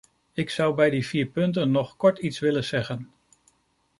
Ik zou bij die vier punten nog kort iets willen zeggen.